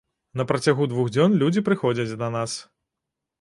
На працягу двух дзён людзі прыходзяць да нас.